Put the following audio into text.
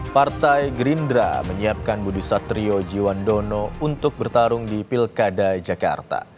partai gerindra menyiapkan budi satrio jiwandono untuk bertarung di pilkada jakarta